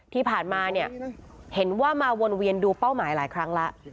ที่ผ่านมาเนี่ยเห็นว่ามาวนเวียนดูเป้าหมายหลายครั้งแล้ว